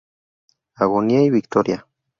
Agonía y victoria".